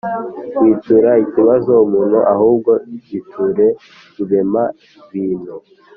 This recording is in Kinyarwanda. witura ikibazo umuntu ahubwo giture rurema bintu